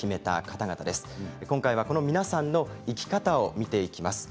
けさはこの皆さんの生き方を見ていきます。